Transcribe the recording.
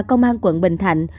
công an quận bình thạnh